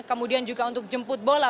kemudian juga untuk jemput bola